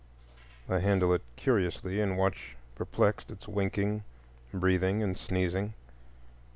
I handle it curiously, and watch perplexed its winking, breathing, and sneezing.